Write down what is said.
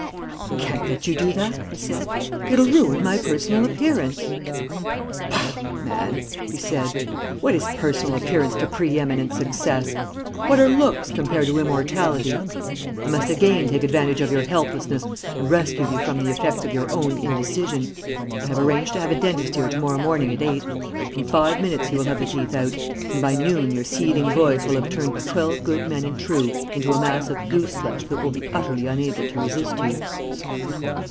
"'I can't let you do that,' I said, 'it'll ruin my personal appearance.' "'Bah, man!' he said. 'What is personal appearance to pre eminent success? What are looks compared to immortality? I must again take advantage of your helplessness and rescue you from the effects of your own indecision. I have arranged to have a dentist here to morrow morning at eight. In five minutes he will have the teeth out, and by noon your seething voice will have turned twelve good men and true into a mass of goose flesh that will be utterly unable to resist you.'"